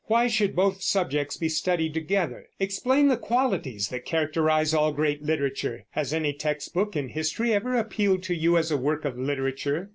Why should both subjects be studied together? Explain the qualities that characterize all great literature. Has any text book in history ever appealed to you as a work of literature?